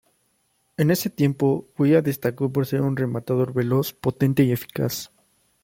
En ese tiempo Weah destacó por ser un rematador veloz, potente y eficaz.